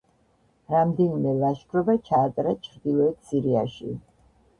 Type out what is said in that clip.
რამდენიმე ლაშქრობა ჩაატარა ჩრდილოეთ სირიაში.